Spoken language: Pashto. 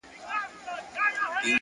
ه یاره ولي چوپ یې مخکي داسي نه وې؛